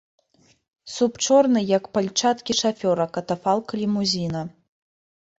Суп, чорны, як пальчаткі шафёра катафалка-лімузіна.